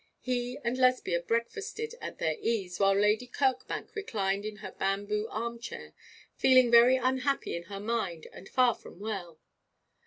He and Lesbia breakfasted at their ease, while Lady Kirkbank reclined in her bamboo arm chair, feeling very unhappy in her mind and far from well.